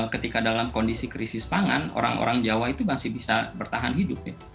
ketika dalam kondisi krisis pangan orang orang jawa itu masih bisa bertahan hidup ya